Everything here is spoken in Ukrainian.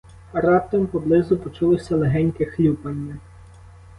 Раптом поблизу почулося легеньке хлюпання.